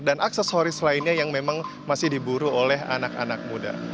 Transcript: aksesoris lainnya yang memang masih diburu oleh anak anak muda